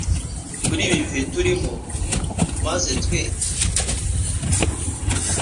kuri ibi bihe turimo, maze twese hamwe twifashe